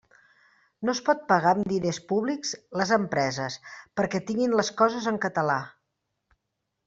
No es pot pagar amb diners públics les empreses perquè tinguin les coses en català.